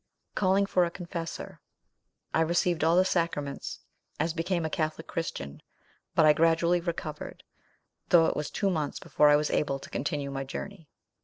Calling for a confessor, I received all the sacraments as became a Catholic Christian; but I gradually recovered, though it was two months before I was able to continue my journey.